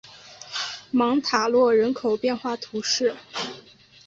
芒塔洛人口变化图示